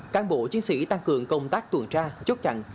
cáng bộ chiến sĩ tăng cường công tác tuyển tra chốt chặn